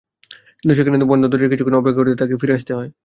কিন্তু সেখানে বন্ধ দরজায় কিছুক্ষণ অপেক্ষা করে তাঁকে ফিরে আসতে হয়।